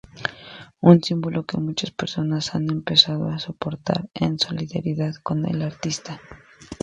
Un símbolo que muchas personas han empezado a portar en solidaridad con el artista.